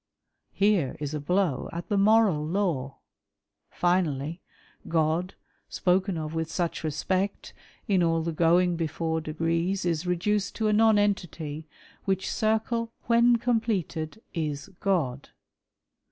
Here is a blow at the moral law. Finally, " God " spoken of with such respect in all the going before degrees is reduced to a nonentity ''^ which circle " wlien completed is God.''